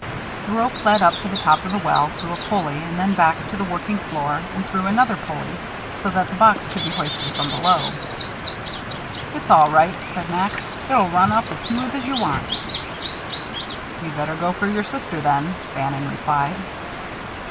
The rope led up to the top of the well through a pulley and then back to the working floor and through another pulley, so that the box could be hoisted from below. "It's all ready," said Max. "It'll run up as smooth as you want." "You'd better go for your sister, then," Bannon replied.